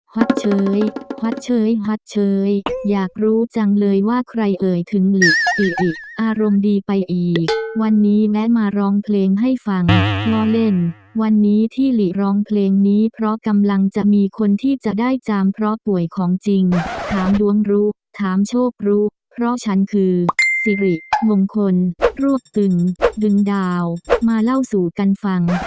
ตเชยฮอตเชยฮอตเชยอยากรู้จังเลยว่าใครเอ่ยถึงหลีอิอิอารมณ์ดีไปอีกวันนี้แม้มาร้องเพลงให้ฟังเพราะเล่นวันนี้ที่หลีร้องเพลงนี้เพราะกำลังจะมีคนที่จะได้จามเพราะป่วยของจริงถามดวงรู้ถามโชครู้เพราะฉันคือสิริมงคลรวบตึงดึงดาวมาเล่าสู่กันฟัง